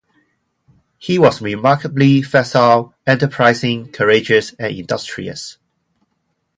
He was remarkably facile, enterprising, courageous, and industrious.